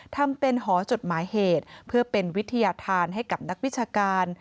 ทำเป็นหอจดหมายเหตุเพื่อเป็นวิทยาธารให้กับนักวิชาการ